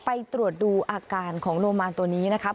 ไปตรวจดูอาการของโนมานตัวนี้นะครับ